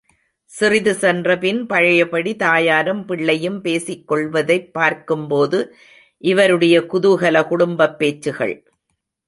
சிறிது சென்றபின் பழையபடி தாயாரும், பிள்ளையும் பேசிக் கொள்வதைப் பார்க்கும்போது இவருடைய குதுகல குடும்பப் பேச்சுகள்!